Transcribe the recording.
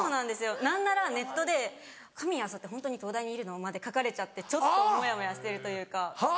何ならネットで「神谷明采ってホントに東大にいるの？」まで書かれちゃってちょっとモヤモヤしてるというか。